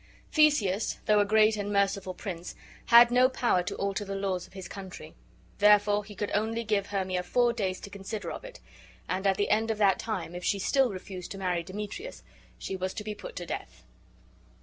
Theseus, though a great and merciful prince, had no power to alter the laws of his country; therefore he could only give Hermia four days to consider of it: and at the end of that time, if she still refused to marry Demetrius, she was to be put to death.